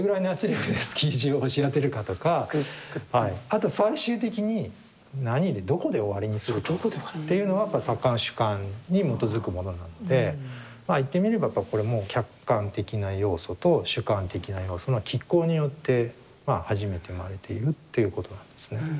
あと最終的に何でどこで終わりにするかっていうのはやっぱ作家の主観に基づくものなので言ってみればやっぱこれも客観的な要素と主観的な要素のきっ抗によって初めて生まれているっていうことなんですね。